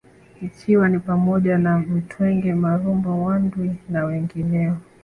ikiwa ni pamoja na Mtwenge Marumbo Wandwi na wengineo